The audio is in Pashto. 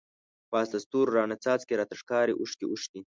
پاس د ستورو راڼه څاڅکی، راته ښکاری اوښکی اوښکی